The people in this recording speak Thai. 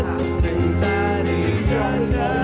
จากกลางใดเธอเธอ